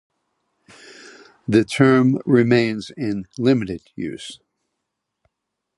The term remains in limited use.